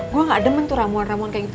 gue gak demen tuh ramuan ramuan kayak gitu